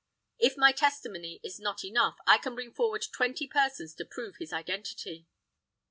If my testimony is not enough, I can bring forward twenty persons to prove his identity."